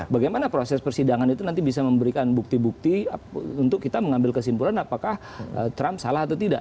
bagaimana proses persidangan itu nanti bisa memberikan bukti bukti untuk kita mengambil kesimpulan apakah trump salah atau tidak